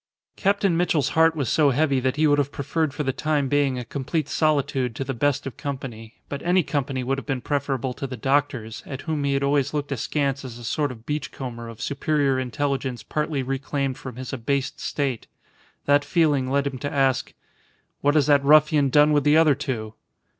Captain Mitchell's heart was so heavy that he would have preferred for the time being a complete solitude to the best of company. But any company would have been preferable to the doctor's, at whom he had always looked askance as a sort of beachcomber of superior intelligence partly reclaimed from his abased state. That feeling led him to ask "What has that ruffian done with the other two?"